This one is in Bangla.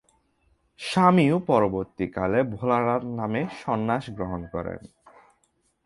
স্বামীও পরবর্তীকালে ভোলানাথ নামে সন্ন্যাস গ্রহণ করেন।